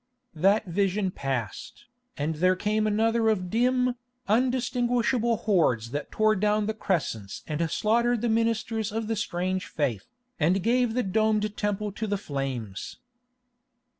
That vision passed, and there came another of dim, undistinguishable hordes that tore down the crescents and slaughtered the ministers of the strange faith, and gave the domed temple to the flames.